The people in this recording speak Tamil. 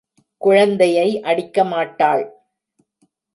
குழந்தையை அடிக்க மாட்டாள்.